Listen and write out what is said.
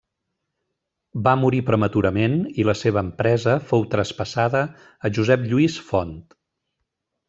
Va morir prematurament i la seva empresa fou traspassada a Josep Lluís Font.